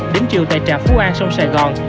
đến chiều tại trạm phú an sông sài gòn